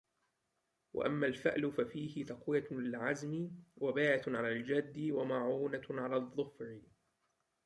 وَأَمَّا الْفَأْلُ فَفِيهِ تَقْوِيَةٌ لِلْعَزْمِ وَبَاعِثٌ عَلَى الْجِدِّ وَمَعُونَةٌ عَلَى الظَّفَرِ